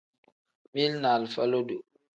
Mili ni alifa lodo.